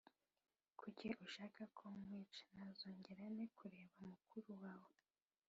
Kuki ushaka ko nkwica Nazongera nte kureba mukuru wawe